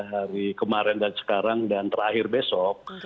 hari kemarin dan sekarang dan terakhir besok